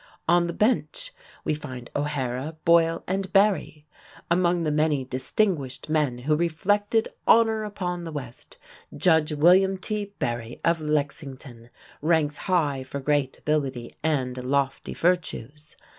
On the bench we find O'Hara, Boyle, and Barry. Among the many distinguished men who reflected honor upon the west, Judge William T. Barry of Lexington ranks high for great ability and lofty virtues.